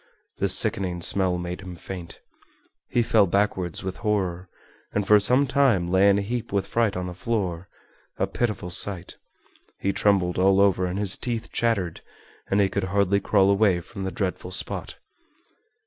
The sickening smell made him faint. He fell backwards with horror, and for some time lay in a heap with fright on the floor, a pitiful sight. He trembled all over and his teeth chattered, and he could hardly crawl away from the dreadful spot.